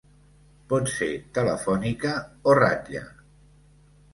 Pot ser telefònica o ratlla.